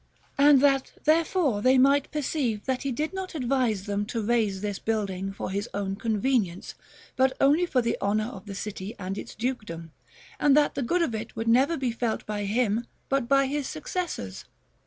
And that therefore they might perceive that he did not advise them to raise this building for his own convenience, but only for the honor of the city and its Dukedom; and that the good of it would never be felt by him, but by his successors.'